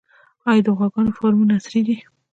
آیا د غواګانو فارمونه عصري دي؟